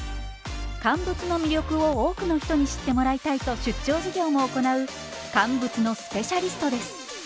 乾物の魅力を多くの人に知ってもらいたいと出張授業も行う乾物のスペシャリストです。